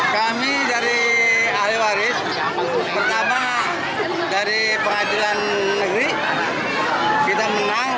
kami dari ahli waris pertama dari pengadilan negeri kita menang